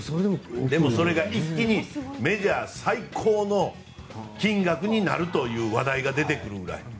それが一気にメジャー最高の金額になるという話題が出てくるくらい。